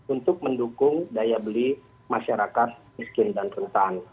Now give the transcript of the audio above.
untuk mendukung daya beli masyarakat miskin dan rentan